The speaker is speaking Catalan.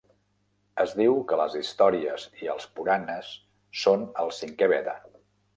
Es diu que les històries i els puranas són el cinquè Veda.